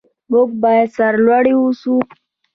موږ باید سرلوړي اوسو.